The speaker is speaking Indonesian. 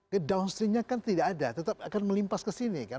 ke downstreamnya kan tidak ada tetap akan melimpas ke sini kan